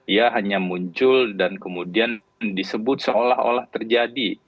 ia hanya muncul dan kemudian disebut seolah olah terjadi